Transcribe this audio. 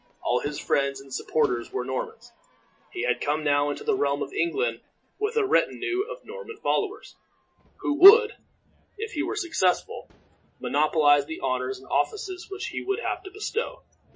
All his friends and supporters were Normans. He had come now into the realm of England with a retinue of Norman followers, who would, if he were successful, monopolize the honors and offices which he would have to bestow.